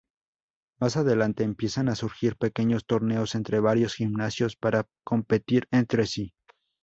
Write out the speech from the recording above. Más adelante empiezan a surgir pequeños torneos entre varios gimnasios para competir entre sí.